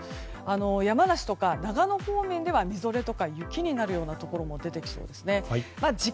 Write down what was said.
山梨とか長野方面ではみぞれとか雪になるところも出てきそうですね。